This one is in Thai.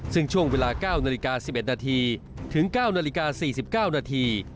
ซึ่งช่วงเวลา๙นาฬิกา๑๑นาทีถึง๙นาฬิกา๔๙นาที